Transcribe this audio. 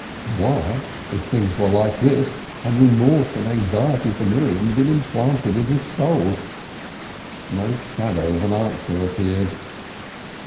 Why, if things were like this, had remorse and anxiety for Miriam been implanted in his soul? No shadow of an answer appeared.